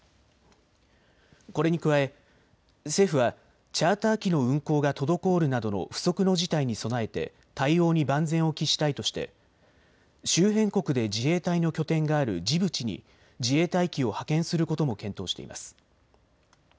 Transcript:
これに加え政府はチャーター機の運航が滞るなどの不測の事態に備えて対応に万全を期したいとして周辺国で自衛隊の拠点があるジブチに自衛隊機を派遣することも検討しています。